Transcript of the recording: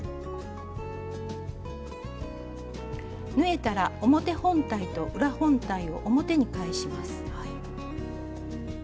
縫えたら表本体と裏本体を表に返します。